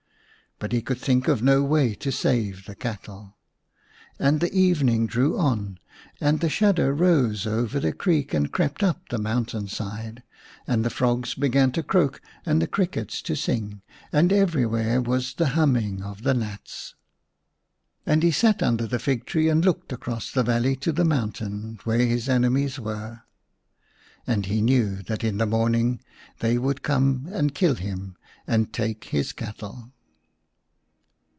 But he could think of no way to save the cattle. And the evening drew on, and the shadow rose over the creek 1 and crept up the mountain side; and the frogs began to croak and the crickets to sing, and everywhere was the humming of the gnats. And he sat under the fig tree and looked across the valley to the mountain where his enemies were ; and he knew that in the morning they would come and kill him and take his cattle.